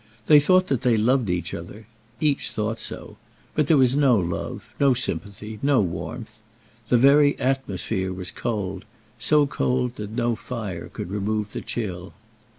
They thought that they loved each other: each thought so; but there was no love, no sympathy, no warmth. The very atmosphere was cold; so cold that no fire could remove the chill.